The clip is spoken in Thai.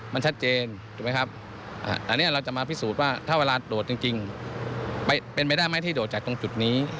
มันชัดเจนถ้าเนี่ยเราจะมาพิสูจน์ว่าเวลาดวดจริงไปเป็นไปได้ไหมที่โดดจากถึงจุดนี้